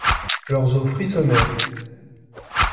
Leurs os frissonnèrent.